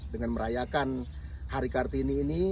dengan merayakan hari kartini ini